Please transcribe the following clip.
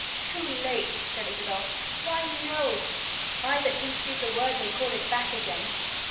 "Too late!" said Isabel. "Why, no! I that do speak a word may call it back again.